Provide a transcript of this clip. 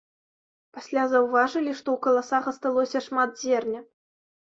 Пасля заўважылі, што ў каласах асталося шмат зерня.